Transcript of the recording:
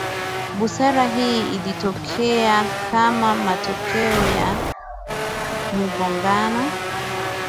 busara Hii ilitokea kama matokeo ya mgongano